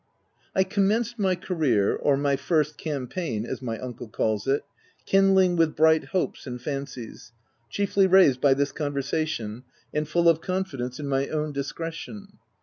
I commenced my career — or my first cam OF WILDFELL HALL. 2/7 paign, as my uncle calls it — kindling with bright hopes and fancies r chiefly raised by this con versation — and full of confidence in my own discretion.